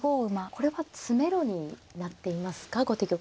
これは詰めろになっていますか後手玉は。